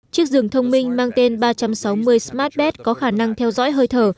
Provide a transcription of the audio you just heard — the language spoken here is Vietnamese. chiếc rừng thông minh mang tên ba trăm sáu mươi smartpet có khả năng theo dõi hơi thở